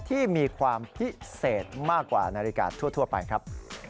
ที่มีความพิเศษมากกว่านาฬิกาทั่วไปครับ